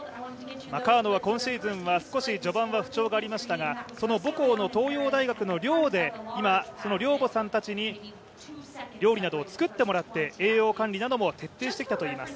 川野は今シーズンは、序盤不調がありましたが東洋大学の寮で寮母さんたちに料理などを作ってもらって栄養管理なども徹底してきたといいます。